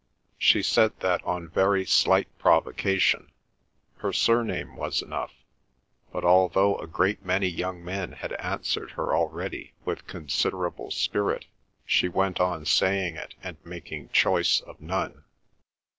She said that on very slight provocation—her surname was enough—but although a great many young men had answered her already with considerable spirit she went on saying it and making choice of none.